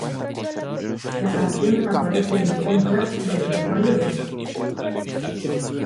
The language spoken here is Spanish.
La canción aparece en el soundtrack de "Super Mario Bros.